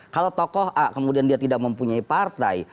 kalau tokoh a kemudian dia tidak mempunyai partai